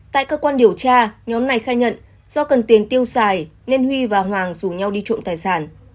tại cơ quan điều tra nhóm này khai nhận do cần tiền tiêu xài nên huy và hoàng rủ nhau đi trộm tài sản